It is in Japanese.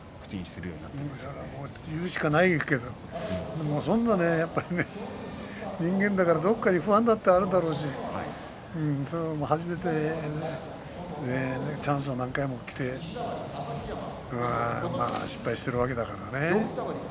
そう言うしかないけど人間だからどこかに不安だってあるだろうしチャンスが何回もきて失敗しているわけだからね。